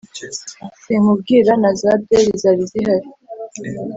Sinkubwira na za byeri zari zihari